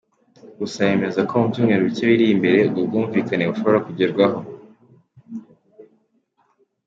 Gusa yemeza ko mu byumweru bicye biri imbere ubwo bwumvikane bushobora kugerwaho.